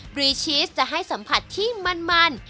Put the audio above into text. รีชีสจะให้สัมผัสที่มัน